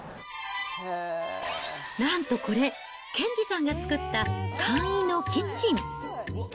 なんとこれ、兼次さんが作った簡易のキッチン。